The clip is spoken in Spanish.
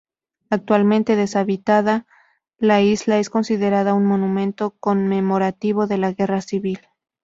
Actualmente deshabitada, la isla es considerada un monumento conmemorativo de la guerra civil.